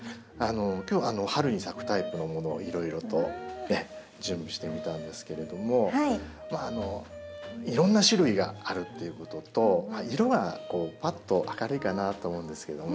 今日春に咲くタイプのものをいろいろと準備してみたんですけれどもいろんな種類があるっていうことと色がぱっと明るいかなと思うんですけどもね。